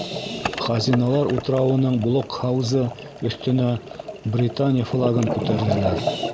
Хазиналар утрауының блок-һаузы өҫтөнә Британия флагын күтәрҙеләр.